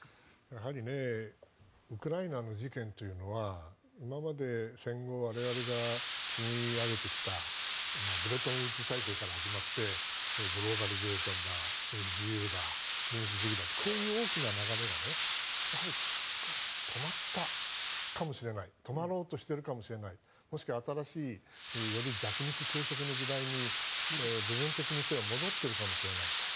やはりウクライナの事件というのは今まで戦後、我々が積み上げてきたブレトンウッズ体制から始まってグローバリゼーションだ自由主義だとこういう大きな流れが止まったかもしれない止まろうとしているかもしれないもしくは新しいより弱肉強食の時代に部分的にせよ戻っているかもしれないと。